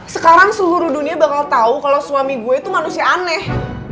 sekarang seluruh dunia bakal tahu kalau suami gue itu manusia aneh